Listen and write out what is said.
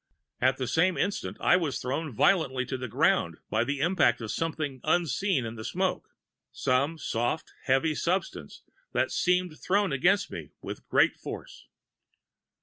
At the same instant I was thrown violently to the ground by the impact of something unseen in the smoke some soft, heavy substance that seemed thrown against me with great force.